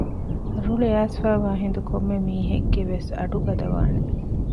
ރުޅިއައިސްފައިވާ ހިނދު ކޮންމެ މީހެއްގެވެސް އަޑު ގަދަވާނެ